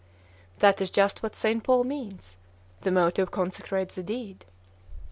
"That is just what St. Paul means: the motive consecrates the deed."